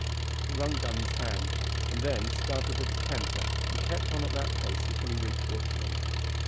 He wrung Dan's hand, and then started at a canter and kept on at that pace until he reached Richmond.